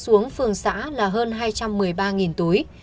xuống phường xã là hơn hai trăm một mươi ba túi